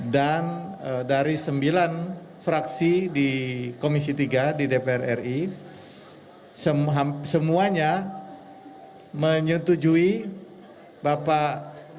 dan dari sembilan fraksi di komisi tiga di dpr ri semuanya menyetujui bapak